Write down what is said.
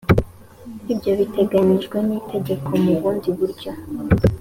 ibyo biteganyijwe n’ itegeko mu bundi buryo